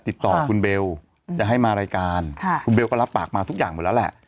ติดต่อคุณเบลจะให้มารายการคุณเบลก็รับปากมาทุกอย่างหมดแล้วแหละ